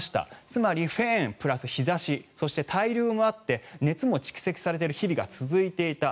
つまりフェーンプラス日差しそして対流もあって熱も蓄積されている日々が続いていた。